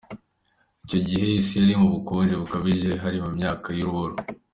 Icyo gihe isi yari mu bukonje bukabije, hari mu myaka y’urubura .